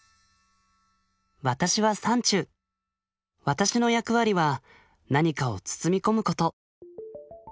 私の役割は何かを包み込むこと。